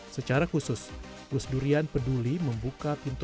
secara khusus gus durian peduli membuka pintu donasi untuk membantu warga yang paling rentan